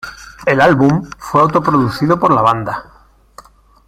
El álbum fue auto-producido por la banda.